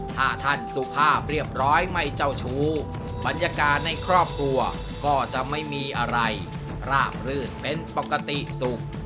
ถ้าท่านสุภาพเรียบร้อยไม่เจ้าชู้บรรยากาศในครอบครัวก็จะไม่มีอะไรราบรื่นเป็นปกติสุข